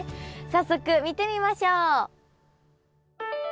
早速見てみましょう。